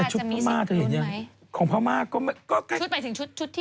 จะมีสิ่งที่ลุ้นไหม